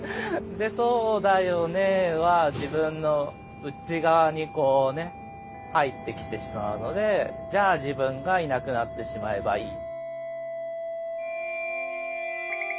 で「そうだよね」は自分の内側にこうね入ってきてしまうのでじゃあ自分がいなくなってしまえばいい。